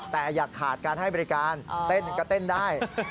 แต่อย่าขาดการให้บริการเต้นก็เต้นได้